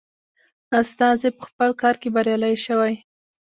استازی په خپل کار کې بریالی شوی.